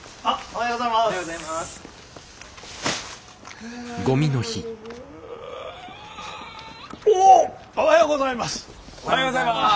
おはようございます。